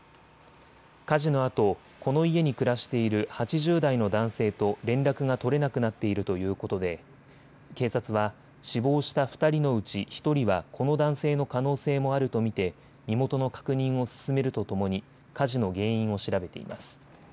火事のあと、この家に暮らしている８０代の男性と連絡が取れなくなっているということで警察は死亡した２人のうち１人はこの男性の可能性もあると見て身元の確認を進めるとともに火事の原因を調べています。